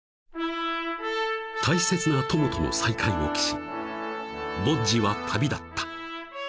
［大切な友との再会を期しボッジは旅立った］